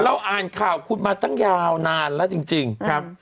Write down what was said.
อ่านข่าวคุณมาตั้งยาวนานแล้วจริงครับ